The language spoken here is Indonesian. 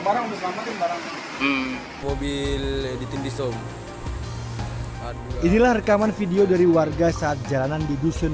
barang diselamatin barang mobil editin disom inilah rekaman video dari warga saat jalanan di dusun